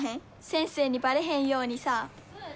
先生にバレへんようにさ。